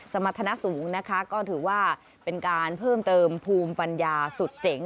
สมรรถนะสูงนะคะก็ถือว่าเป็นการเพิ่มเติมภูมิปัญญาสุดเจ๋ง